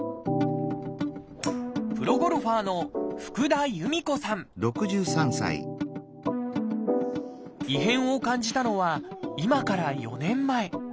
プロゴルファーの異変を感じたのは今から４年前。